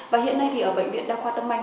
và hiện nay thì ở bệnh viện đa khoa tâm anh